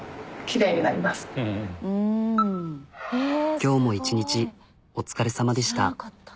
今日も１日お疲れさまでした